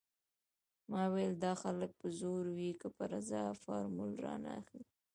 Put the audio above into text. ما ويلې دا خلک په زور وي که په رضا فارموله رانه اخلي.